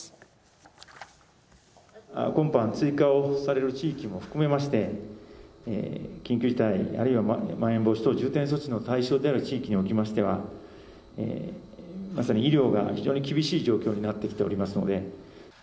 今般、追加をされる地域も含めまして、緊急事態、あるいはまん延防止等重点措置の対象である地域におきましては、まさに医療が非常に厳しい状況になってきておりますので。